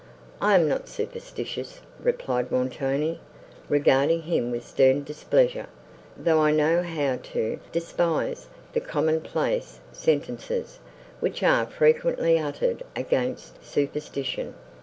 "I am not superstitious," replied Montoni, regarding him with stern displeasure, "though I know how to despise the common place sentences, which are frequently uttered against superstition.